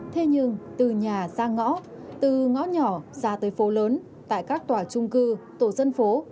thế nhưng từ nhà ra ngõ từ ngõ nhỏ ra tới phố lớn tại các tòa trung cư tổ dân phố